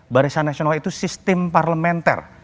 barisan nasional itu sistem parlementer